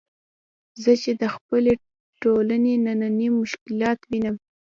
زه چې د خپلې ټولنې نني مشکلات وینم.